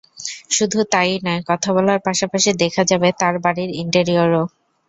শুধু তা–ই নয়, কথা বলার পাশাপাশি দেখা যাবে তাঁর বাড়ির ইন্টেরিয়রও।